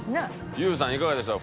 ＹＯＵさんいかがでしょう？